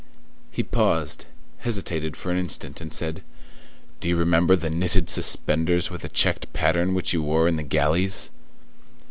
He paused, hesitated for an instant, and said:— "Do you remember the knitted suspenders with a checked pattern which you wore in the galleys?"